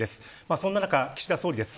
そんな中、岸田総理です。